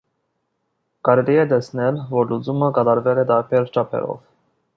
Կարելի է տեսնել, որ լուծումը կատարվել է տարբեր չափերով։